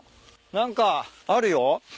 何かあるよ。